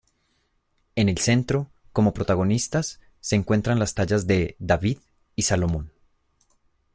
En el centro, como protagonistas, se encuentran las tallas de "David" y "Salomón".